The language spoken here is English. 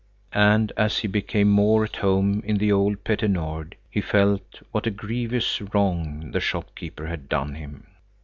And as he became more at home in the old Petter Nord he felt what a grievous wrong the shopkeeper had done him.